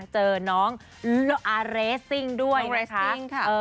เจอน้องอารเบซิ่งด้วยนะฮะ